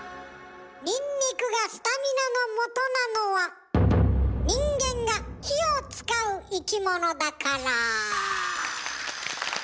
ニンニクがスタミナのもとなのは人間が火を使う生き物だから。